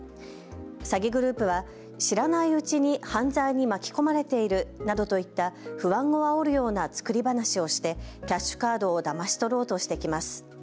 詐欺グループは、知らないうちに犯罪に巻き込まれているなどといった不安をあおるような作り話をしてキャッシュカードをだまし取ろうとしてきます。